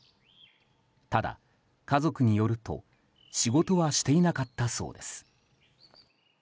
ただ、家族によると仕事はしていなかったそうです。